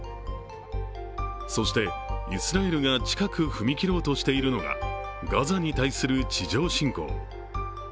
そして、イスラエルが近く踏み切ろうとしているのが、ガザに対する地上侵攻。